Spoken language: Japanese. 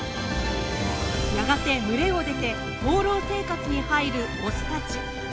やがて群れを出て放浪生活に入るオスたち。